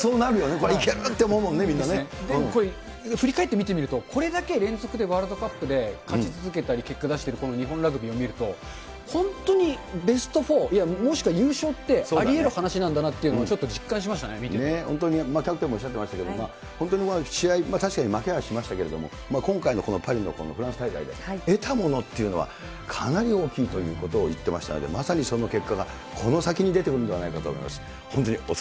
これ、いけるって思うものね、でもこれ、振り返って見てみると、これだけ連続でワールドカップで勝ち続けたり、結果出してる日本ラグビーを見ると、本当にベスト４、いや、もしくは優勝ってありえる話なんだなっていうのはちょっと実感し本当に、キャプテンもおっしゃってましたけど、本当に試合、確かに負けはしましたけれども、今回のこのパリのフランス大会で得たものっていうのはかなり大きいということを言ってましたので、まさにその結果がこの先に出てくるんではないかと思います。